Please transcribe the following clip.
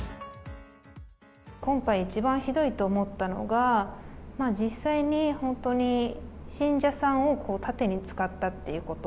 今回、一番ひどいと思ったのが、実際に本当に信者さんを盾に使ったっていうこと。